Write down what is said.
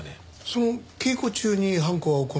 その稽古中に犯行は行われた。